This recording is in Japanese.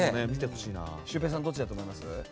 シュウペイさんはどっちだと思います？